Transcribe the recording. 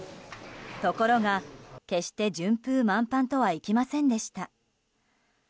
ところが決して順風満帆とはいきませんでした。